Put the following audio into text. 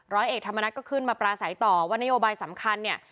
ร้อยเอกธรรมนัฐก็ขึ้นมาปราศัยต่อว่านโยบายสำคัญเนี่ย